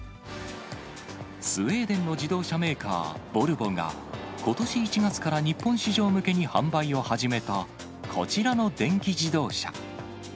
スウェーデンの自動車メーカー、ボルボが、ことし１月から日本市場向けに販売を始めた、こちらの電気自動車。